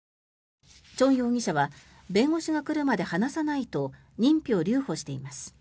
チョン容疑者は弁護士が来るまで話さないと認否を留保しています。